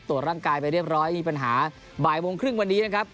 ตรวจร่างกายไปเรียบร้อยมีปัญหาบ่ายโมงครึ่งวันนี้นะครับ